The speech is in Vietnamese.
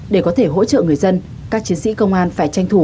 để có thể hỗ trợ người dân các chiến sĩ công an phải tranh thủ